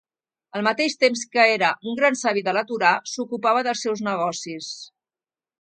Al mateix temps que era un gran savi de la Torà, s'ocupava dels seus negocis.